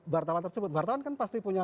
wartawan tersebut wartawan kan pasti punya